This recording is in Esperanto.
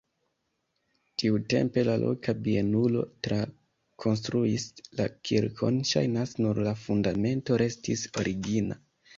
Tiutempe la loka bienulo trakonstruis la kirkon, ŝajnas, nur la fundamento restis origina.